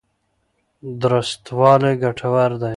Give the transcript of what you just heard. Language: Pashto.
درستوالی ګټور دی.